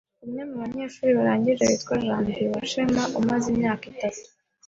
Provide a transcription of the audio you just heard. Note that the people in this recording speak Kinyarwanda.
Umwe mu banyeshuri barangije witwa Janvière UWASHEMA umaze imyaka itatu